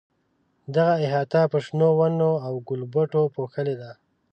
دغه احاطه په شنو ونو او ګلبوټو پوښلې ده.